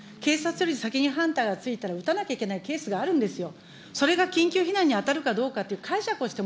警察より先にハンターが着いたら撃たなきゃいけないケースがあるんですよ。